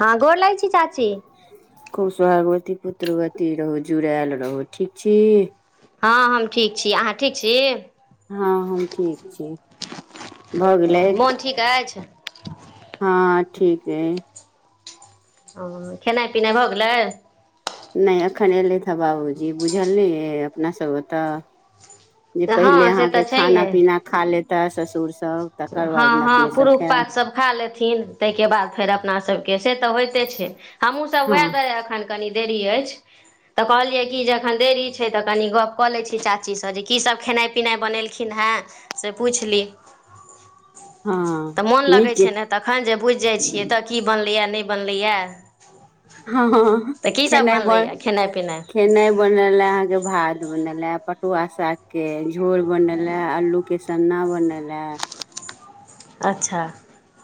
हँ गोर लगै छी चाची। खूब सहागवती पुत्रवती रहू जुड़ायल रहू। ठीक छी? हँ हम ठीक छी। अहाँ ठीक छी? हँ हम ठीक छी। भऽ गेलै मोन ठीक अछि हँ ठीक अय। ह खेनाइ पिनाइ भऽ गेलै? नहि एखन एयलैथि हे बाबूजी बुझल नेे अपनासभ ओ तऽ। जे पहिले हँ से तऽ अहाँके खाना छैहे पीना खा लेत सास-ससुर हँ हँ पुरुष पात सभ खा लेथिन ताहिके बाद फेर अपनासभके। से तऽ होइते छै। हमूँ सब हँ वेह द्वारे अखन कनि। देरी अछि तऽ कहलियै कि जे एखन देरी छै तऽ कनि गप कऽ लै छी चाचीसँ। जे कीसभ खेनाइ पिनाइ बनेलखिन हेँ? से पुछि ली? हँ तऽ मोन लगै नीक छै ने तखन जे बुझि जाइ छियै तऽ की बनलै नहि? बनलैए ह- तऽ कीसभ खेनाइ बन बनलैए खेनाइ पिनाइ खेनाइ- बनले अहाँ के भाद। बनेलए पटुआ सागके झोर बन लए अलूके चना बन लए। अच्छा। [unintelligible]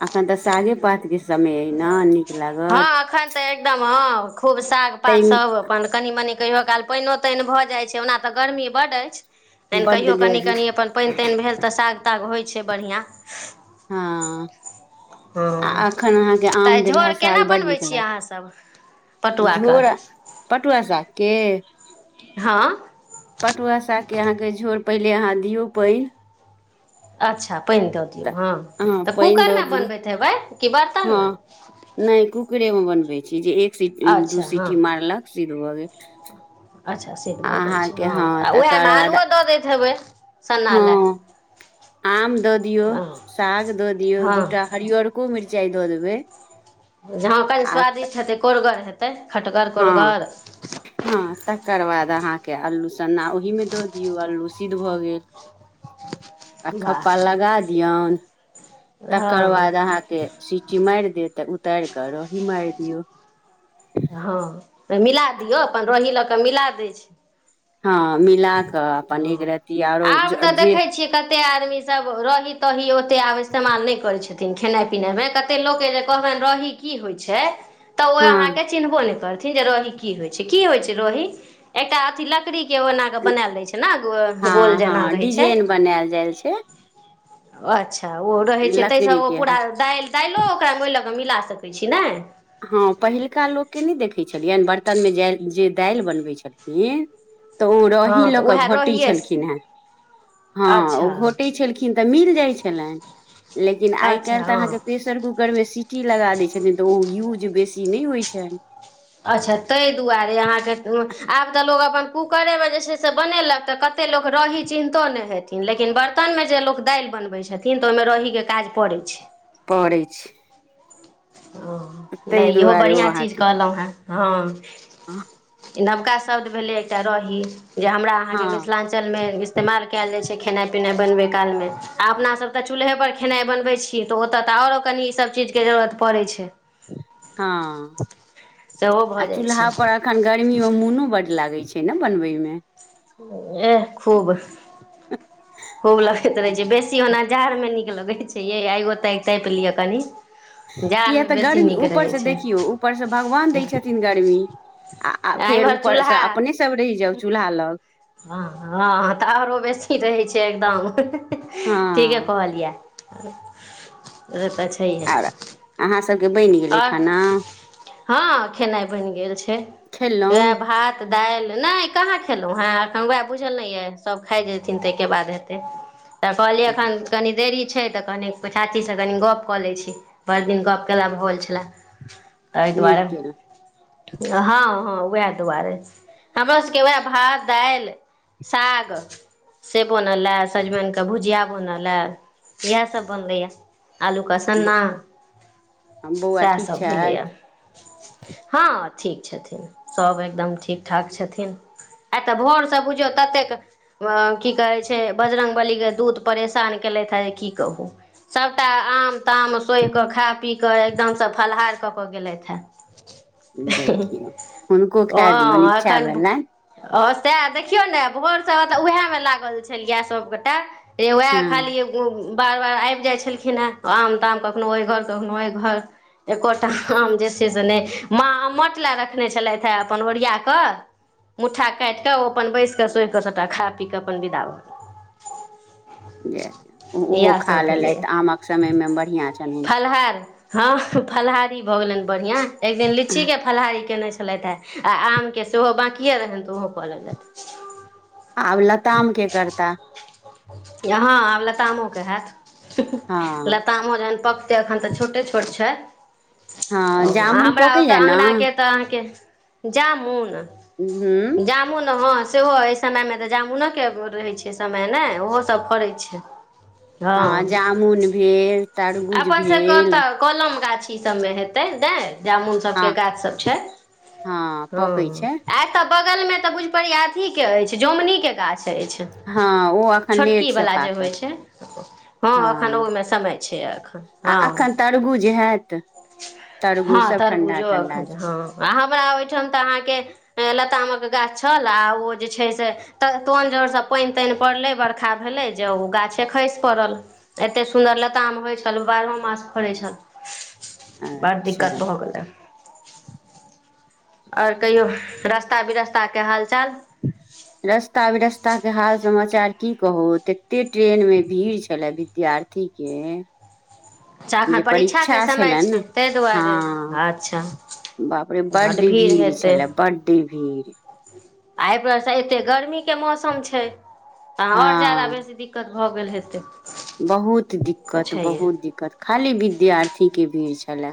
अखन तऽ सागे पात के। समय अना नीक लागत। हँ एखन तऽ [unintelligible] एकदम हँ खूब साग पात सब ताहिमे अपन कनि मनी कहियो काल पानिओ तानि भऽ जाइ छै ओना तऽ गर्मी बड अछि। तनि बड्ड कहियो जे कनि कनि अपन पानि -तानि भेल तऽ साग। कुत्ताके होइ छै बढ़िआँ। [unintelligible] हँ। [unintelligible] हँ आ अखन अहाँके [unintelligible] आम तऽ देलहा झोर केना साग बड्ड बनबै नीक छीियै लागत अहाँसभ -पटुआके। क आसा के। [unintelligible] हँ। [unintelligible] पटुआ सागके अहाँके झोर पहिले अहाँ दियौ पानि। अच्छा। पाइन द तऽ दियो हँ तब पानि कूकर दऽ में दियौ बनबैत हेवेन की स्तन हँ में। [unintelligible] ची जे एक। एक सीटी दू सीटी मारलक सीध भ गेल- अच्छा सिद्ध भऽ जाइ छै अहाँके हँ आ तकर उएहमे बाद। आलुओ दऽ दैत हेबै सन्ना हँ लए आम दऽ दियऔ हँ साग दऽ दियऔ हँ दूटा हरिरको मिर्चा। च द देबै। [unintelligible] झा कनि आ स्वादिष्ट हेतै कोरगर हेतै। तऽ। हँ -हँ तकर बाद। अहाँके अल्लू सन्ना ओहिमे दऽ दियौ अलू सिद्ध भऽ गेल। [unintelligible] आ वाह खप्पा लगा दियन। [inaudible] तकर हँ बाद अहाँके सिटी मारि दे तऽ उतारि कऽ रही मारि दियौ। [unintelligible] तऽ मिला दियौ अपन रहोही लऽ कऽ मिला दै छै। [unintelligible] हँ मिलाक। [unintelligible] तऽ अपन एक हँ रत्ती आरो आब तऽ -जे। देखै छियै कतेक आदमीसभ रही -तही ओतेक आब इस्तेमाल नहि करैत छथिन खेनाइ पिनाइमे कतेक लोक जे कहबनि रही की होइत छै। तऽ ओ हँ अहाँके चिन्हबो नहि करत। जे रहोही की होइ छै की होइ छै रहही एकटा अथी लकड़ी। के एना कऽ बनाल ले छै। ने गोल हँ, जेना हँ, डिजाइन बनायल जाइ छै। ओ अच्छ अच्छ ओ रहै छै ताहिसँ लकड़ी ओ के पूरा दालि दालि ओकरा होईलक मिला सकै छी नहि। हँ पहिलका लोकके नहि देखैत छलै। बर्तन मे जे -दालि बनबै छलखिन। तऽ ओ रही हँ तऽ लऽ कऽ उएह घोटै रहिएसँ छलखिन हेँ -हँ ओ अच्छा घोटैत छलखिन तऽ मिल। जाइ छलनि। [unintelligible] लेकिन आइ अच्छा काल् तऽ हँ अहाँके प्रेसर कूकर मे सीटी लगा देय छथिन, तऽ ओ यूज बेसी नहि होइ छनि। अच्छा ताहि दुआरे ककरे मे जे छै से बनेलक तऽ कते लोक रही चिन्हतो नहि हेथिन, लेकिन बर्तनमे जे लोक दालि बनबै छथिन तऽ ओहिमे रहीक के काज पड़ै छै। पढ़ै छी। हाँ, नहि इहो बढ़िआँ चीज कहलहुँ हेँ। हँ। आ नबका शब्द भेलै एकटा रही जे हमरा अहाँ के हँ मिथिलां्चल मे इस्तेमाल कयल जाय छै। खेनाइ पिनाइ बनबै काल मे, आ अपनासभ तऽ चूल्हे पर खेनाइ बनबै छी तऽ ओतऽ तऽ आरो कनि ई सब चीजके जरूरत पड़ै छै। हँ। सेहो भऽ आ जाइ चूल्हा छै पर एखन गर्मी मे मुनू बढ़ लागै छै ने बनबै मे एह, खूब खूब लगैत रहै छै, जे बेसी होना जाड़ मे नीक लगै छै, ये आगो तगि तपि लिअ कनि कए जाड़मे तऽ बेसी गर्मी नीक रहै ऊपरसँ छै देखियौ, ऊपरसँ भगवान दै छथिन गर्मी। आ फेर एम्हर चूल्हा ऊपरसँ अपने सब रहि जाउ चूल्हा लग हँ, हँ, तऽ आरो बेसी रहै छै एकदम ठीके हँ कहलियै रत छै आर अहाँ सभके बनि गेलै और, खाना हाँ, खेना बन गेल छै, खेलहुँ भात, दाल, नई कहा हेलो हँ तखन उएह बुझल नहि यऽ सभ खाइ जयथिन ताहिके बाद हेतै तऽ कहलियै एखन कनि देरी छै छै तऽ कनि चाचीसँ कनी गप्प कऽ लै छी, बरि दिन गप्प कयला भऽ छलए। आइ दुआारे नीक केलहुँ हँ, हँ, उएह दुआरे, हमरो सबके उएह भात दाइल, साग से बनल हए, सजमनि के भुजिया बनल हए इएह सभ बनलैए आलू के सन्ना बौआ सएह ठीक सभ छथि भेलैए हँ, ठीक छथिन, सभ एकदम ठीक ठाक छथिन। आइ तऽ भोरसँ बुझियौ ततेक की कहै छै बजरंगबली के दूध परेशान केलथि हँ जे की कहू, सबटा आम त मे सोहि के खाय पी के एकदम से फलाहार कऽ कऽ गेलथ हेँ देखियौ, हुनको खा दियौ इचछ भेलला ह, सएह देखियौ ने भोर सभ मलऽ उएहमे लागल छलै सभगोटाए। हे वएह हँ खाली बार बार आबि जाइ छलखिन हेँ, आम ताम कखनहु ओहि घर, कखनहु ओहि घर, एकोटा आम जे छै से नहि मा मट लए रखने छलथि हेँ अपन ओरिया कऽ मुट्ठा काटििकऽ ओ अपन बैसिकऽ सोहि कऽ सभटा खा पीक कऽ अपन बिदााब ओहो खा लेलथि आमक समय मे बढ़िआ फलहार हँ, फलाहारी भऽ गेलनि बढ़िआँ। एक दिन लीची के फलाहारी केने छै छलथे, आ आमके सेहो बकिए रहनि तऽ ओहो प लग जा आब ल ताम के करता यहाँ आब लाता मोके है हँ लताामोजन पक ते एखन तऽ छोटे छोट छए। हँ जामुन हमरा ओतय पकैया ने अंगना के तऽ अहाँके जामुन हूँ जामुन हाँ सेहो एहि समय मे तऽ जामुनो के रहे छै समय न। ओहो सभ फड़ै छै। हँ, जामुन भेल, तरबूज भेल। की सबमे हेतै देर जामुन सब हँ के गाछ सब छै, हँ पकै हाँ, छै आ तब बगल मे तऽ बुझपर अथी के अछि जोमुनी के गाछ सही छै। हँ ओ एखन छोटकी लेटसँ बालाजे होई पाकत छै, हाँ, हँ ओखानावो मे समय छै, आ हँ, एखन तरबूज हैत तरबूज हाँ, सब ठंडा तरबूजो अभी, ठंडा छै हाँ, हमरा ओठन तहा के लता मे के गा तलआ, ऊ जे छै से तोन जर पेन तेन पड़लै बड़का सखा भेलै जे ओ गाछे खसि पड़ल, एतेक सुन्दर लता म होइ छल ओ बारहो मास फड़ै छल। बड़ दिक्कत अच्छा भऽ गेलै। आओर कहियो। रास्ता बिरस्ता के हाल चाल। रस्ता बिरास्ता के हाल समाचार की कहू तते ट्रेन मे भीड़ छले विद्यार्थी के। च्छा एखन जे परीक्षाके परीक्षा समय छलनि ने छै ताहि दुआरे हँ अच्छा बाप रे ब्ड बड्ड भीड़ हेतै छले बड्ड भीड़ आ एहिपसँ एे गर्मीके मौसम छै तहन आओर जााद हँ बेसी दिक्कत। भऽ गेल हेतै बहुत त तऽ दिक्कत छैहे बहुत दिक्कत खाली विद्यार्थी के भीड़ छै। खेल।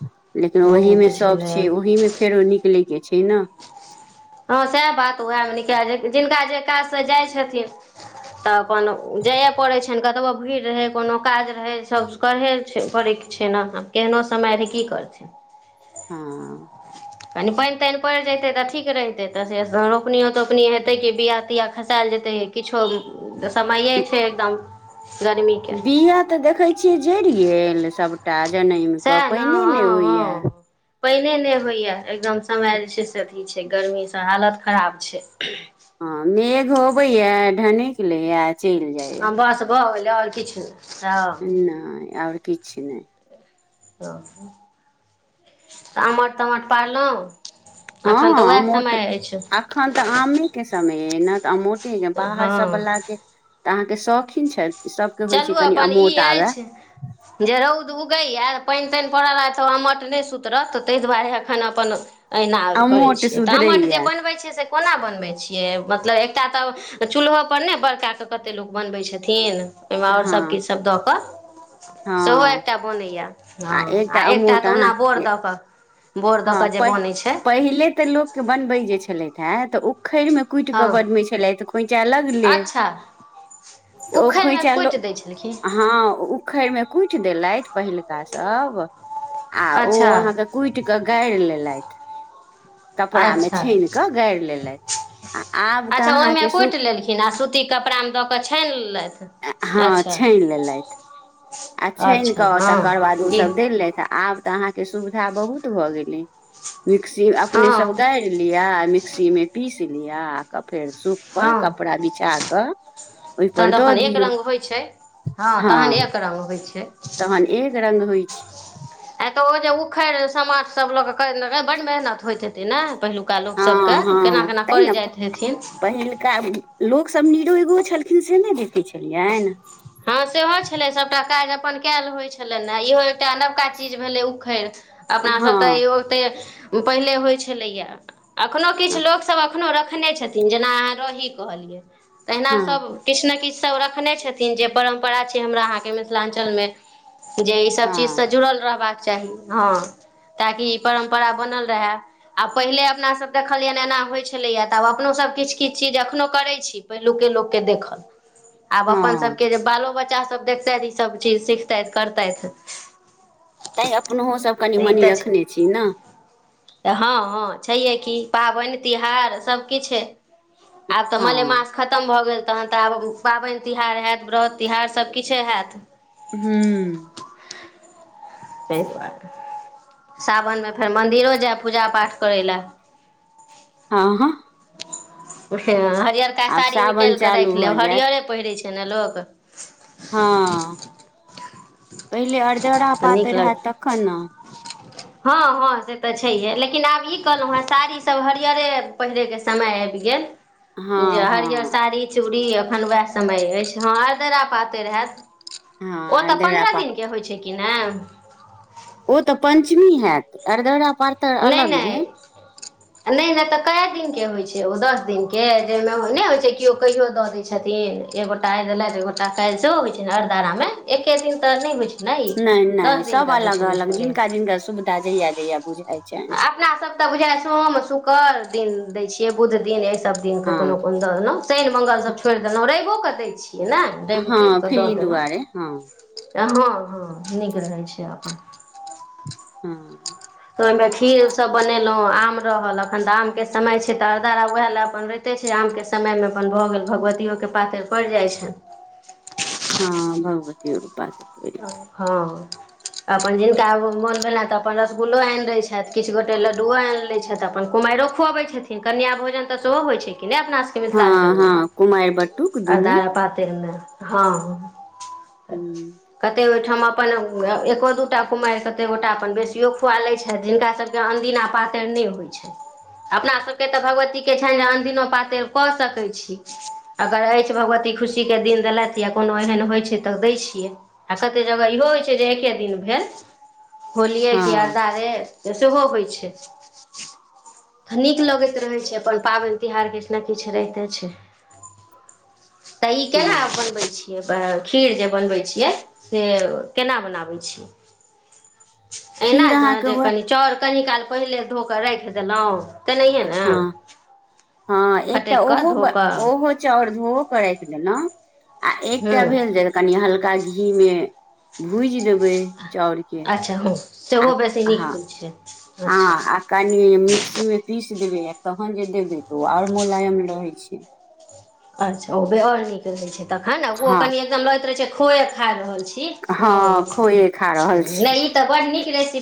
[unintelligible] लेकिन ओहि बहुत में सब छलै छै ओहि में फेरो निकले के छै। खना। [unintelligible] हँ सएह बात उएहमे निकाल -जिनका जे काजसँ जाइत छथिन तऽ। अपन जाइयए पड़ैत छनि। कतबहु भीड़ रहै कोनो काज रहै सभ करहे छै करैके छै ने आ केहनो समय रहै की करथिन। हँ। [unintelligible] कनि पानि- तानि पड़ि जेतै तऽ ठीक रहितै तऽ से रोपनिओ -तोपनी हेतै कि बआ तियाा खसायल जेतै किछो। समये छै एकदम। [unintelligible] गर्मीके बिआा तऽ देखै छियै। जरि गेल सबटा। [unintelligible] जनम कऽ सएह ने पहिने नहि हँ हँ होइया। [unintelligible] पानिए नहि होइए एकदम समय जे छै से अथी छै गर्मीसँ हालत खराब छै। [unintelligible] हँ मेघ होबै हए ढने के ले ह। हँ बस भ खेले। आओर किछु। [unintelligible] न आ। [unintelligible] किछु नहि। [unintelligible] ओ तऽ -आमट -तमट पारलहुँ। एखन तऽ हँ उएह मोट समय अछि -एखन तऽ आमे के समय। [unintelligible] एना अू। [unintelligible] ठीकै बाहर हँ सब लागाक। [unintelligible] तऽ अहाँके शौकीन छथि। [unintelligible] होइ छै चलू कनि अपन ई अमोट आबय अछि जे रौद उगैए पानि। पड़ल रहथि तऽ मट नहि सुतरत तऽ ताहि दुआरे हखन अपन। अहिना करैत अमोट छियै तऽ आमट जे सुधरैया बनबैत छियै से कोना बनबै छियै मतलब। कटा तऽ- चूल्होो पर ने बड़क कऽ कते लोक बनबै छथिन। ओहिमे आओर हँ सभकिछुसभ दऽ कऽ सेहो हँ एकटा बनैए हँ आ एकटा तऽ ओना बोर दऽ कऽ। बोर दऽ कऽ हँ जे प बनै छै पहिले तऽ लोकके बनबै जे छलै। हैँ तऽ ओ उख मे कुटिक हँ बनै छलै तऽ खोचा लगले अच्छा तऽ ओ उखैड़मे खोा कुटि दै छलखिन हँ उखड़ मे कुटि देलथि पहिलका सब आ ओ अच्छा अहाँके कुट गाड़ि लेलथि। [unintelligible] कपड़ामे अच्छा छानि कऽ गाड़ि लेलथि आ आब तऽ -अच्छा ओहिमे अहाँके सु कुटि लेलखिन आ सूती कपड़ामे दऽ- कऽ छान। हँ छानि लेलथि आ छान अच्छा कऽ हँ तकर बाद ई ओसभ देलेलथि आ आब तऽ अहाँके। के सुविधा बहुत भऽ गेलै। मिक्सी अपने हँ सब गारि लिये मिक्सी में पीस लिया क। फेर सूप पर हँ कपड़ा बिछा क ओहि पर। त अपन एक रङ्ग होइ छै हँ तहन एक रङ्ग होइ छै। तहन एक रङंग होइ छै। आ तऽ ओ जे उखड़ि समाज सब लोक बड्ड मेहनत होइत हेतै ने। पहिलुका लोकसभके हँ केना हँ केना तै करय ने जाइत हेथिन। पहिलुका लोकसभ निरोगो छलखिन से नहि बतै छलियनि। हँ सेहो छलै सभटा काज अपन कयल होइत छलनि ने इहो एकटा नवका चीज भेलै उखड़ अपनासभ तऽ हँ यो ते पहिले होइत छलैया। अखनो किछु हँ लोकसभ एखनो देखखने छथिन जेना अहाँ रही कहलियै। तहिना हँ सभ किछु ने किछु सब रखने छथि। जे परम्परा छै हमरा अहाँके मिथिलाञ्चल मे। जे ई सब चीज से हँ जुड़ल रहबाका चाही हँ ताकि ई परम्परा बनल रहए आब पहिले अपनासभ देखलियनि एना होइ छलैए तऽ आब अपनोसभ किछु किछु चीज एखनहु करै छी पहिलुके लोककेँ देखल आब अपन हँ सब बालो बच्चा सब देखतै ई सब चीज सिखतै करताे। तैँ अपनहोसभ कनि मनि रखने छी ने तऽ हँ हँ छैहे कि पाबनि तिहार सबकिछु आब तऽ हँ मलेमास खतम भऽ गेल तहन तऽ आब पाबनि तिहार हयैत व्रत तिोहार सब किछु होयैत। हूं। [unintelligible] ताहि दुआरे सावनमे फेर मन्दिरो जाय पूजा पाठ करय लए। [unintelligible] हँ -हँ। [unintelligible] हँ। [unintelligible] हरियर आब साड़ी सावन निकल के चालू राख भऽ लेब जायत हरियरे पहिरे छै। चैनलोक। हँ। पहिले अरदेौरा तऽ नीक पाते रहए लग तखन ने। हँ -हँ से तऽ छैहे लेकिन आब ई कहलहुँ हेँ साड़ीसभ हरिियरे पहिरैके समय आबि गेल। [unintelligible] जे हँ हरिअर हँ साड़ी चूड़ी। [unintelligible] तखन उएह समय अछि हँ आर दरा पाते रहय। [unintelligible] हँ अर्धरापा। [unintelligible] होइ छै कि नहि। [unintelligible] ओ तऽ पञ्चमी होयत [unintelligible] अरदरा। पातरि नई अलग भेल -नई तऽ क- दिननके होइत छै। जे ओ दस दिे जाहिमे ओ नहि होइ छै केओ कहियो दऽ दै छथिन एगोटा आइ देलथि ए गोटा काल्हि सेहो होइ छै हर दराामे एके दिन तऽ नहि होइ छै। ने ई नहि -नहि दस सब दिनका होइ अलग छै बुझि अलग पड़ैये जिनका जिनका सुविधा जहिया जहिया बुझाइ। छनि अपना सब तऽ बुझाय सोम शुकर। दिन दै छियै बुध दिन। [unintelligible] सब दिन के कोनो हँ कोन दऽ देलहुं शनि मंगल सब छोड़ि देलहुँ रवो। कऽ दै छै। [unintelligible] हँ फर ई दुआरे हँ। [unintelligible] हँ -हँ नीक रहै छै अपन। [unintelligible] हँ। [unintelligible] तऽ ओहिमे खीर सब बनेलहुँ आम रहल एखन तऽ आमके समय छै तऽ अरद आर व ओएह लए अपन रोते छै आमके समयमे अपन भऽ गेल भगवतियोके पातरि पड़ि जाइ छनि। [unintelligible] हँ भगवतीो। [unintelligible] हँ। [unintelligible] अपन जिनका मोन भेलनि तऽ अपन रसगु्लो आनि लैत छथि किछु गोटे लड्डुओ आनि लैत छथि अपन कुमारिओ खुअबैत छथिन कन्य भोजन तऽ सेहो होइत छै। कि नहि अपना सबके छै हँ मिथिलाञ्चलमे हँ कुमारि बटुक [unintelligible] अरदा दुनू पातरिमे। हँ। [unintelligible] हू। [unintelligible] कते ओहिठाम अपन एको दू टा कुमारि कते गोटा अपन बेसियो खुआ लैत छथि जिनका सभके अनदिना पातरि नहि होइ छनि अपना सभके तऽ भगवतीके छनि जे अनदिनो पातरि कऽ सकै छी अगर अछि भगवती खुशीके दिन देलथि या कोनो एहन होइत छै तऽ दै छियै। आ कतेक जगह इहो होइ छै जे एक्के दिन भेल। [unintelligible] होलियै क हँ अरदा रे। [unintelligible] तऽ सेहो होइ छै। [unintelligible] तऽ नीक लगैत रहै छै अपन पाबनि तिहार किछु ने किछु राहिते छै। तऽ ई हँ केना बनबै छी खीर जे बनबै छियै से केना बनाबै छियै। एना खीर जे अहाँके जे उएह कनि चर कनी काल पहिले धोक कऽ राख दे। चनाउ। [unintelligible] हँ- हँ फटकि एकटा कऽ धो ओहो- कऽ ओहो चाउर धोओ करयके लेलहुँ। आ हूँ एकटा भेल जे कनी हल्का। का घी मे भूज देब ब जााउरके अच्छा हँ सेहो बेसी नीक होइ छै हँ अच्छा आ क मिक्सी मे पीस। देबै आ तहन जे देबै तऽ ओ आओर मुलायम रहै छै। अच्छा ओ आओर नीक रहै छै। तखन ने ओ हँ कनि एकदम लैत रहै छै। खोए खा रहल छै। ब हँ खोए खा रहल छी पी।